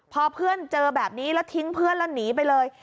พอเพื่อนเจอแบบนี้แล้วทิ้งเพื่อนแล้วหนีไปเลย